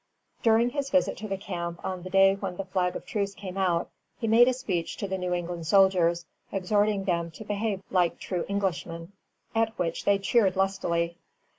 _] During his visit to the camp on the day when the flag of truce came out, he made a speech to the New England soldiers, exhorting them to behave like true Englishmen; at which they cheered lustily.